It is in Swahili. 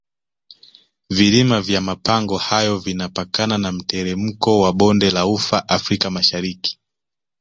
vilima vya mapango hayo vinapakana na mteremko wa bonde la ufa africa mashariki